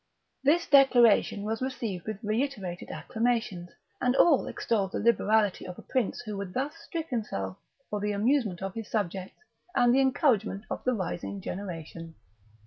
This declaration was received with reiterated acclamations, and all extolled the liberality of a prince who would thus strip himself for the amusement of his subjects and the encouragement of the rising generation.